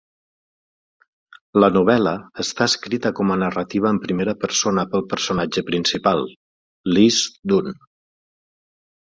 La novel·la està escrita com a narrativa en primera persona pel personatge principal, Liz Dunn.